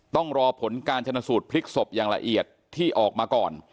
ต้องรอผลการชนสูตรพลิกศพอย่างละเอียดที่ออกมาก่อน